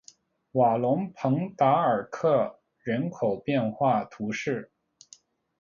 瓦龙蓬达尔克人口变化图示